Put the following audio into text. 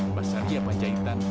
mbak sariah panjaitan